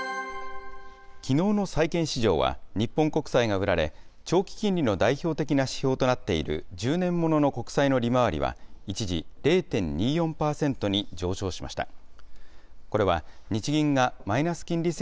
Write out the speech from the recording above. きのうの債券市場は日本国債が売られ、長期金利の代表的な指標となっている１０年ものの国債の利回りは一時０．２４％に上昇しました。